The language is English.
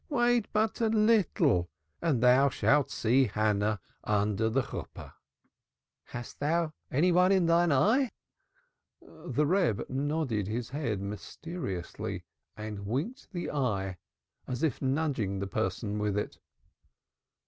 Wait but a little and thou shalt see our Hannah under the Chuppah." "Hast thou any one in thine eye?" The Reb nodded his head mysteriously and winked the eye, as if nudging the person in it.